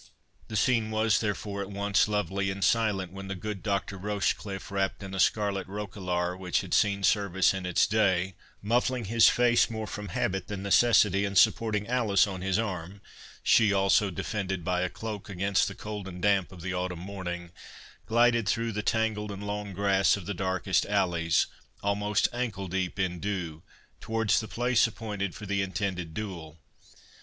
The scene was therefore at once lovely and silent, when the good Dr. Rochecliffe, wrapped in a scarlet roquelaure, which had seen service in its day, muffling his face more from habit than necessity, and supporting Alice on his arm, (she also defended by a cloak against the cold and damp of the autumn morning,) glided through the tangled and long grass of the darkest alleys, almost ankle deep in dew, towards the place appointed for the intended duel.